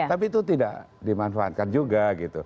tapi itu tidak dimanfaatkan juga gitu